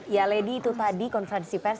ya lady itu tadi konferensi pers